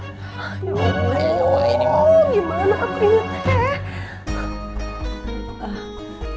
ayo lah ini mau gimana tuh ini teh